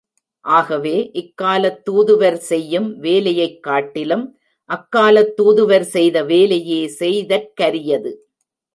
ஆகவே, இக்காலத் தூதுவர் செய்யும் வேலையைக்காட்டிலும் அக்காலத் தூதுவர் செய்த வேலையே செய்தற்கரியது.